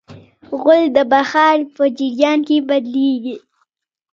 غول د بخار په جریان کې بدلېږي.